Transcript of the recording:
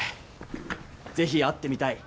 「是非会ってみたい。